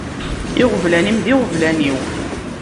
Iɣeblan-im d iɣeblan-iw.